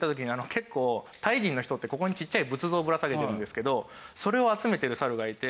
結構タイ人の人ってここにちっちゃい仏像をぶら下げてるんですけどそれを集めているサルがいて。